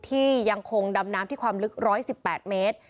ที่ยังคงดำน้ำที่ความลึก๑๑๘เมตร